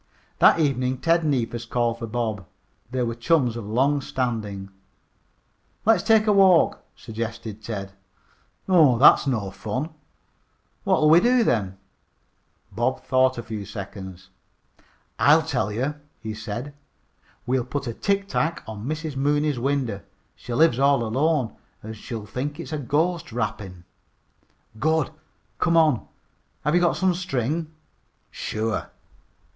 That evening Ted Neefus called for Bob. They were chums of long standing. "Let's take a walk," suggested Ted. "Aw, that's no fun." "What'll we do then?" Bob thought a few seconds. "I'll tell you," he said. "We'll put a tic tac on Mrs. Mooney's window. She lives all alone, and she'll think it's a ghost rapping." "Good! Come on. Have you got some string?" "Sure."